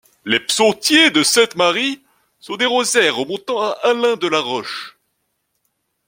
Les psautiers de Sainte-Marie sont des rosaires remontant à Alain de La Roche.